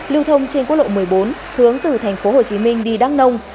lưu thông trên quốc lộ một mươi bốn hướng từ thành phố hồ chí minh đi đăng nông